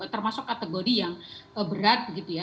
termasuk kategori yang berat gitu ya